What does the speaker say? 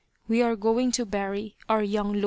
We are going to bury our young lord